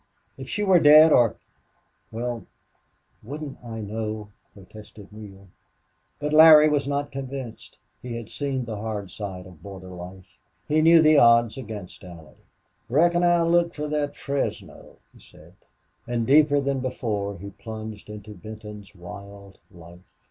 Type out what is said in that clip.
If she were dead or or well, wouldn't I know?" protested Neale. But Larry was not convinced. He had seen the hard side of border life; he knew the odds against Allie. "Reckon I'll look fer that Fresno," he said. And deeper than before he plunged into Benton's wild life.